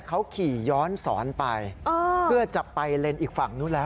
เขาขี่ย้อนสอนไปเพื่อจะไปเลนส์อีกฝั่งนู้นแล้ว